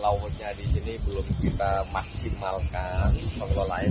lautnya disini belum kita maksimalkan pengelolaannya